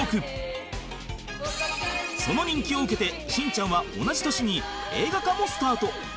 その人気を受けて『しんちゃん』は同じ年に映画化もスタート